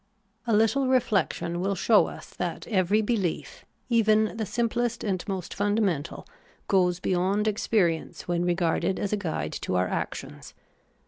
206 THE ETHICS OF BELIEF. A little reflection Avill sliow us that every belief, even the simplest and most fundamental, goes beyond experience when regarded as a guide to our actions.